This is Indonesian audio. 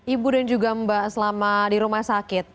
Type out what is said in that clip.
ibu dan juga mbak selama di rumah sakit